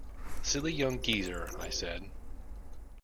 "Silly young geezer," I said.